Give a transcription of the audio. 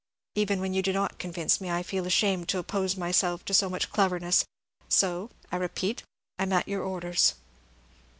Even when you do not convince me, I feel ashamed to oppose myself to so much cleverness; so, I repeat, I 'm at your orders."